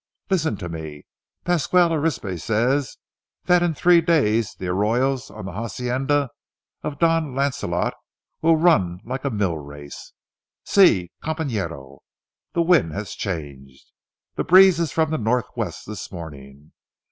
Listen to me: Pasquale Arispe says that in three days the arroyos on the hacienda of Don Lancelot will run like a mill race. See, companero, the wind has changed. The breeze is from the northwest this morning.